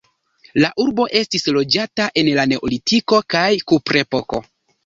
La urbo estis loĝata en la neolitiko kaj kuprepoko.